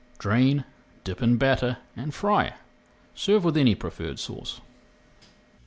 Drain, dip in batter, and fry. Serve with any preferred sauce.